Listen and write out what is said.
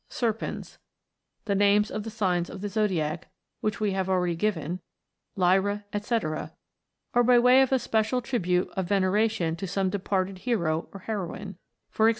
Serpens ; the names of the signs of the zodiac, which we have already given ; Lyra, &c. ; or by way of a special tribute of veneration to some departed hero or heroine e.g.